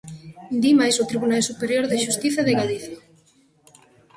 Di máis o Tribunal Superior de Xustiza de Galicia.